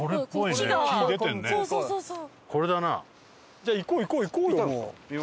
じゃあ行こう行こう行こうよもう。